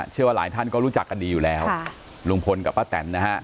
เชื่อว่าหลายท่านก็รู้จักกันดีอยู่แล้วลุงพลกับป้าแตนนะฮะ